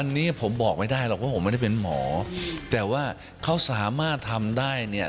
อันนี้ผมบอกไม่ได้หรอกว่าผมไม่ได้เป็นหมอแต่ว่าเขาสามารถทำได้เนี่ย